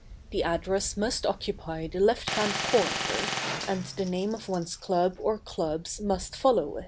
The address must occupy the left hand corner, and the name of one's club or clubs must follow it.